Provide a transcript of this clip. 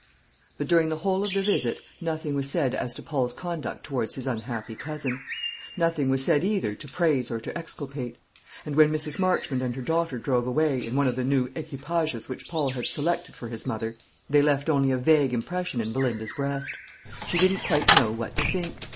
But during the whole of the visit nothing was said as to Paul's conduct towards his unhappy cousin; nothing was said either to praise or to exculpate; and when Mrs. Marchmont and her daughter drove away, in one of the new equipages which Paul had selected for his mother, they left only a vague impression in Belinda's breast. She didn't quite know what to think.